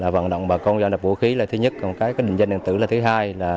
vận động bà con giao nộp vũ khí là thứ nhất còn định danh điện tử là thứ hai